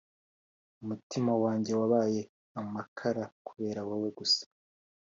umutima wanjye wabaye amakara kubera wowe gusa